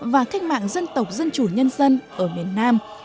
và cách mạng dân tộc dân chủ nhân dân ở miền nam